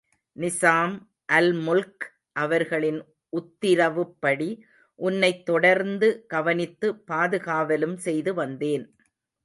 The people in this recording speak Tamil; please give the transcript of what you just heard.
நிசாம் அல்முல்க் அவர்களின் உத்திரவுப்படி உன்னைத் தொடர்ந்து கவனித்து பாதுகாவலும் செய்து வந்தேன்.